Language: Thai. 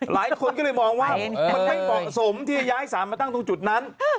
หลายคนก็เลยมองว่ามันไม่เหมาะสมที่จะย้ายสารมาตั้งตรงจุดนั้น